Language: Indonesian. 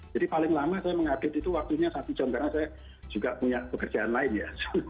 jadi paling lama saya mengupdate itu waktunya satu jam karena saya juga punya pekerjaan lain ya